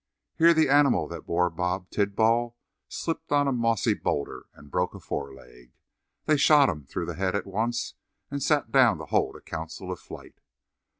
Here the animal that bore Bob Tidball slipped on a mossy boulder and broke a foreleg. They shot him through the head at once and sat down to hold a council of flight.